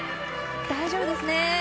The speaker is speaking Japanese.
大丈夫ですね。